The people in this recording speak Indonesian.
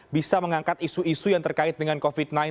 bisa mengangkat isu isu yang terkait dengan covid sembilan belas